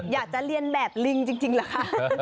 อยากจะเรียนแบบลิงจริงเหรอคะ